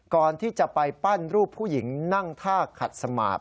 ก่อนที่จะไปปั้นรูปผู้หญิงนั่งท่าขัดสมาร์ท